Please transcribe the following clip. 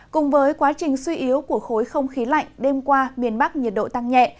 cùng với quá trình suy yếu của khối không khí lạnh đêm qua miền bắc nhiệt độ tăng nhẹ